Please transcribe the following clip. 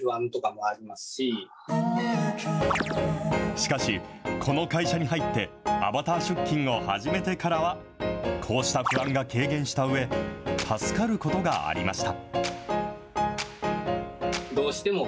しかし、この会社に入ってアバター出勤を始めてからは、こうした不安が軽減したうえ、助かることがありました。